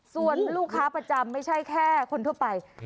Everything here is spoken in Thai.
ส่วนลูกค้าประจำไม่ใช่แค่คนทั่วไป